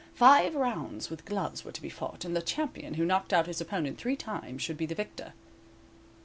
Five rounds with gloves were to be fought, and the champion who knocked out his opponent three times, should be the victor.